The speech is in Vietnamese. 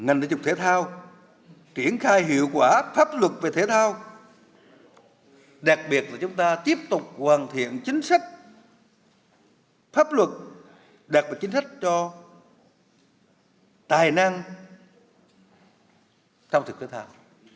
sea games ba mươi một với tư cách là nước chủ nhà đen cai hiệu quả quy định pháp luật về thể thao tiếp tục hoàn thiện chính sách cho các tài năng thể thao